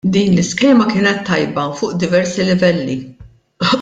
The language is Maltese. Din l-iskema kienet tajba fuq diversi livelli.